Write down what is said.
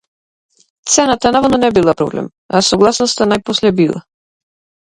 Цената наводно не била проблем, а согласноста најпосле била.